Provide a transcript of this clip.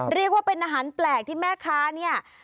เรียกว่าเป็นอาหารแปลกที่แม่ค้าเนี่ย